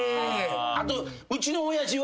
あとうちの親父は。